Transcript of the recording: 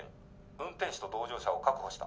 運転手と同乗者を確保した。